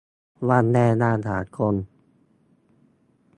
วันแรงงานสากล